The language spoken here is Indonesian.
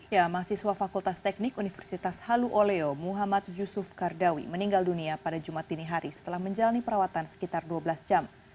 ya mahasiswa fakultas teknik universitas halu oleo muhammad yusuf kardawi meninggal dunia pada jumat dini hari setelah menjalani perawatan sekitar dua belas jam